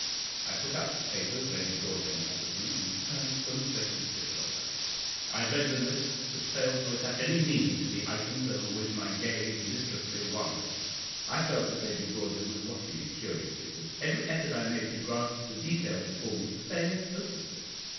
I took up the papers Lady Broadhem offered me, and turned them vacantly over. I read the list, but failed to attach any meaning to the items over which my gaze listlessly wandered. I felt that Lady Broadhem was watching me curiously, but every effort I made to grasp the details before me failed hopelessly.